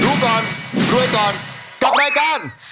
รู้ก่อนรวยก่อนกับแม่การ